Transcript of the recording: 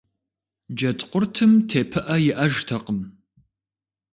Джэдкъуртым тепыӀэ иӀэжтэкъым.